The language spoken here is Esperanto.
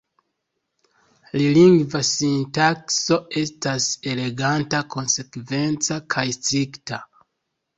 La lingva sintakso estas eleganta, konsekvenca kaj strikta.